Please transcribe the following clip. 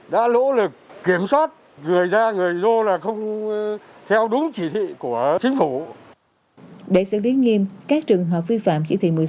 để xử lý nghiêm các trường hợp vi phạm chỉ thị một mươi sáu